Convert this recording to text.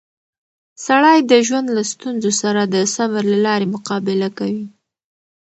سړی د ژوند له ستونزو سره د صبر له لارې مقابله کوي